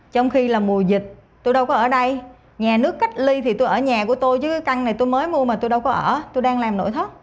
trong khi là mùa dịch tôi đâu có ở đây nhà nước cách ly thì tôi ở nhà của tôi chứ cái căn này tôi mới mua mà tôi đâu có ở tôi đang làm nổi thôi